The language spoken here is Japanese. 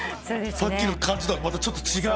さっきの感じとはまたちょっと違う。